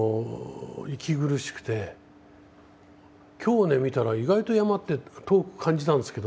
今日ね見たら意外と山って遠く感じたんですけども。